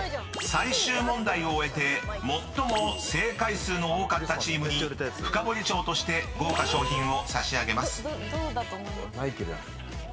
［最終問題を終えて最も正解数の多かったチームにフカボリ賞として豪華賞品を差し上げます］